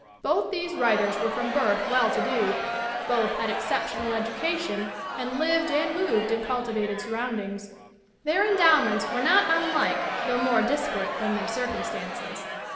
Both these writers were from birth well to do, both had exceptional education and lived and moved in culti vated surroundings. Their endowments were not unlike though more disparate than their circumstances.